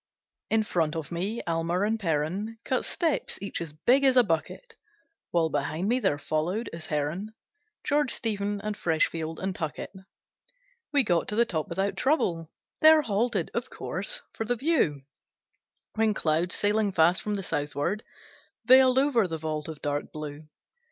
In front of me Almer and Perren Cut steps, each as big as a bucket; While behind me there followed, as Herren, George, Stephen, and Freshfield, and Tuckett. We got to the top without trouble; There halted, of course, for the view; When clouds, sailing fast from the southward, Veiled over the vault of dark blue.